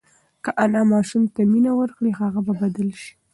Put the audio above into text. که انا ماشوم ته مینه ورکړي، هغه به بدل شي.